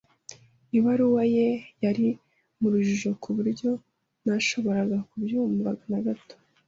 Ibaruwa ye yari mu rujijo ku buryo ntashoboraga kubyumva na gato.